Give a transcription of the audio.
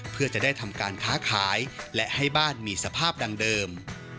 เพื่อจะได้ทำการค้าขายและให้บ้านมีสภาพดังเดิม